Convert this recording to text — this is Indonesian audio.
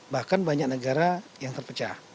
bahkan banyak negara yang terpecah